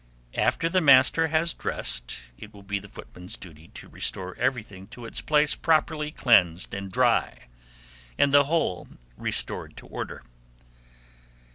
After the master has dressed, it will be the footman's duty to restore everything to its place properly cleansed and dry, and the whole restored to order.